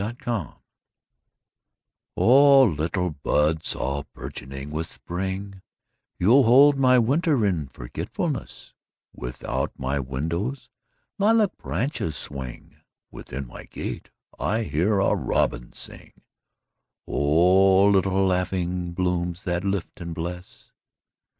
A Song in Spring O LITTLE buds all bourgeoning with Spring, You hold my winter in forgetfulness; Without my window lilac branches swing, Within my gate I hear a robin sing—O little laughing blooms that lift and bless!